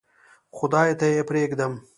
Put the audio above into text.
خدای ته یې پرېږدم.